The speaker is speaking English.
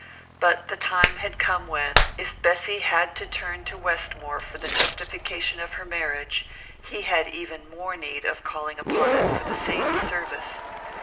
But the time had come when, if Bessy had to turn to Westmore for the justification of her marriage, he had even more need of calling upon it for the same service.